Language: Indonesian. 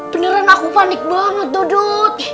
beneran aku panik banget dodot